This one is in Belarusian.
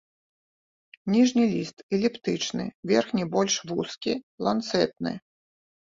Ніжні ліст эліптычны, верхні больш вузкі, ланцэтны.